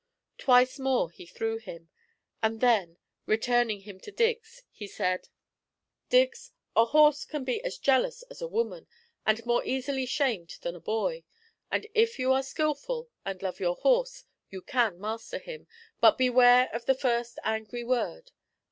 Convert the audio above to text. Twice more he threw him, and then, returning him to Diggs, he said: 'Diggs, a horse can be as jealous as a woman, and more easily shamed than a boy. And if you are skilful, and love your horse, you can master him; but beware of the first angry word.